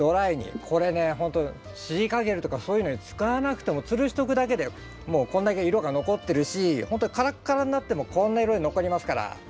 これねほんとシリカゲルとかそういうの使わなくてもつるしておくだけでもうこんだけ色が残ってるしほんとにカラッカラッになってもこんな色残りますから。